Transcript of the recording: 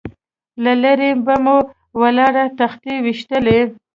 له لرې به مو ولاړې تختې ويشتلې.